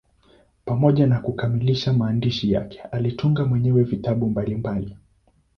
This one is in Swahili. Pamoja na kukamilisha maandishi yake, alitunga mwenyewe vitabu mbalimbali.